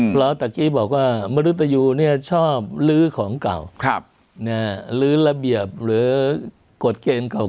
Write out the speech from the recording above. เพราะตะกี้บอกว่ามนุษยูเนี่ยชอบลื้อของเก่าลื้อระเบียบหรือกฎเกณฑ์เก่า